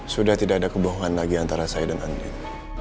sudah tidak ada kebohongan lagi antara saya dan andi